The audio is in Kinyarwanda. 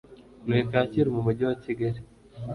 ntuye kacyiru mu mujyi wa kigali